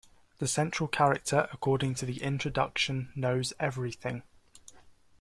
The central character, according to the introduction, knows everything.